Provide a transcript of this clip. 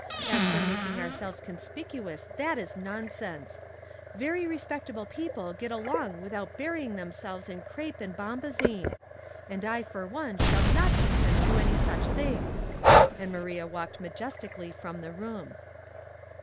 As for making ourselves conspicuous that is nonsense. Very re spectable people get along without burying them selves in crape and bombazine ; and I for one shall not consent to any such thing," and Maria walked majestically from the room.